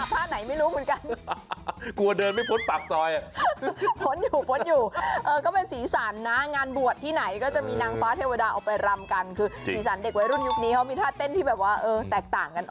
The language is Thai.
ปลอดภัยค่ะแต่เดินกลับถ้าไหนไม่รู้เหมือนกัน